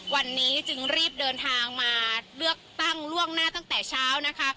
วันนี้จึงรีบเดินทางมาเลือกตั้งล่วงหน้าตั้งแต่เช้านะคะ